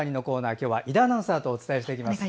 今日は井田アナウンサーとお伝えします。